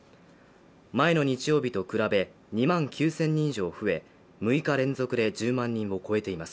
前の日曜日と比べ２万９０００人以上増え６日連続で１０万人を超えています。